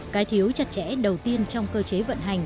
cái thiếu chặt chẽ đầu tiên trong cơ chế vận hành